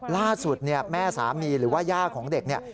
ล่าสุดเนี่ยแม่สามีหรือว่าย่าของเด็กเนี่ย